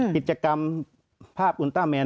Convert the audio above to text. กิจกรรมภาพอุลต้าแมน